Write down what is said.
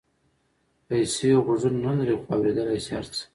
پیسې غوږونه نه لري خو اورېدلای شي هر څه.